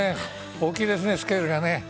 大きいですね、スケールが。